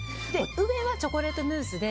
上はチョコレートムースで。